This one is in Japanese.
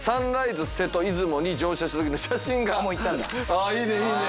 あっいいねいいね。